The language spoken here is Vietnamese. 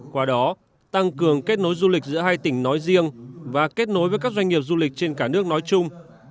qua đó tăng cường kết nối du lịch giữa hai tỉnh nói riêng và kết nối với các doanh nghiệp du lịch trên cả nước nói chung